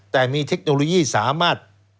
แต่มีเทคโนโลยีสามารถ